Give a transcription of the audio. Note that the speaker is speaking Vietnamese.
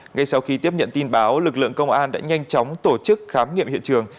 ngay sau khi tiếp nhận tin báo lực lượng công an đã nhanh chóng tổ chức khám nghiệm hiện trường